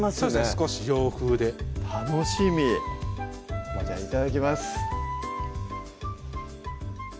少し洋風で楽しみじゃあいただきます